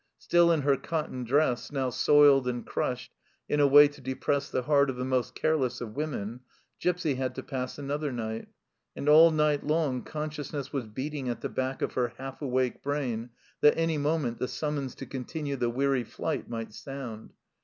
Still in her cotton dress, now soiled and crushed in a way to depress the heart of the most careless of women, Gipsy had to pass another night ; and all night long consciousness was beating at the back of her half awake brain that any moment the summons to continue the weary flight might sound.